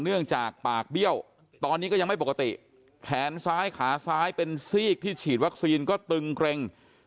เนื่องจากปากเบี้ยวตอนนี้ก็ยังไม่ปกติแขนซ้ายขาซ้ายเป็นซีกที่ฉีดวัคซีนก็ตึงเกร็ง